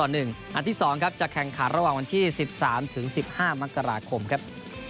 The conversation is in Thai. นัดที่๒ครับจะแข่งขันระหว่างวันที่๑๓๑๕มกราคมครับ